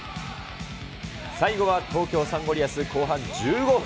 最後は東京サンゴリアス、後半１５分。